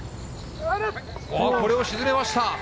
これを沈めました。